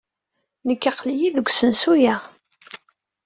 Nekk aql-iyi deg usensu-a.